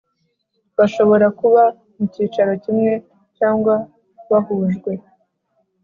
Bashobora kuba mu cyicaro kimwe cyangwa bahujwe